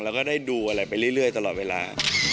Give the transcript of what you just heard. แล้วก็ได้ดูอะไรไปเรื่อยตลอดเวลา